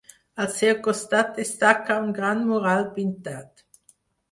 Al seu costat destaca un gran mural pintat.